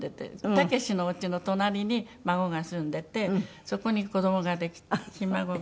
武のおうちの隣に孫が住んでてそこに子どもができてひ孫が。